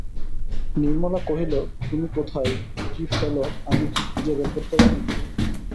নির্মলা কহিল, তুমি কোথায় কী ফেল আমি কি খুঁজে বের করতে পারি?